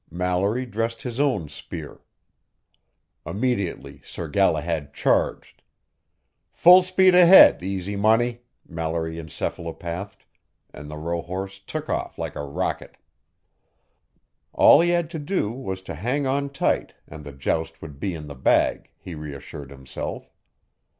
Mallory dressed his own spear. Immediately, Sir Galahad charged. Full speed ahead, Easy Money! Mallory encephalopathed, and the rohorse took off like a rocket. All he had to do was to hang on tight, and the joust would be in the bag, he reassured himself.